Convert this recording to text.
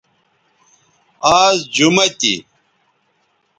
آز جمہ تھی